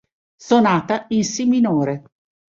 Sonata in si minore